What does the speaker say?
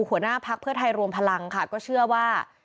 หัวหน้าพักเพื่อไทยรวมพลังค่ะก็เชื่อว่า